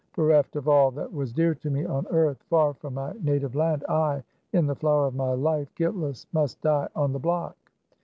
Bereft of all that was dear to me on earth, far from my native land, I, in the flower of my life, guiltless, must die on the block